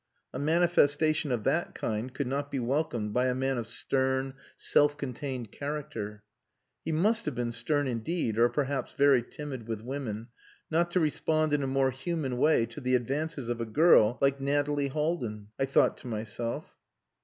A manifestation of that kind could not be welcomed by a man of stern, self contained character. He must have been stern indeed, or perhaps very timid with women, not to respond in a more human way to the advances of a girl like Nathalie Haldin I thought to myself.